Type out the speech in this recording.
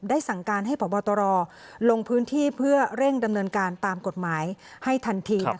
สั่งการให้พบตรลงพื้นที่เพื่อเร่งดำเนินการตามกฎหมายให้ทันที